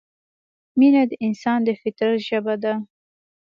مینه د انسان د فطرت ژبه ده.